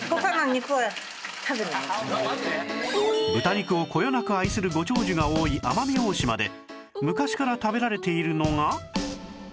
豚肉をこよなく愛するご長寿が多い奄美大島で昔から食べられているのが